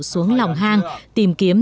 xuống lòng hang tìm kiếm